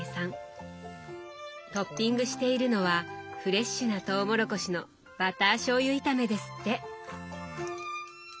トッピングしているのはフレッシュなとうもろこしのバターしょうゆ炒めですって。